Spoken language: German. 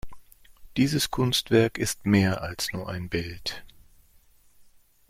Dieses Kunstwerk ist mehr als nur ein Bild.